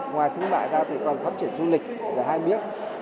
ngoài thương mại ra thì còn phát triển du lịch là hai miếng